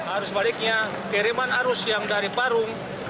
arus baliknya kiriman arus yang dari parung